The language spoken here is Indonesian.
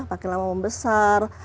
pakin lama membesar